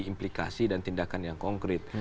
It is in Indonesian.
implikasi dan tindakan yang konkret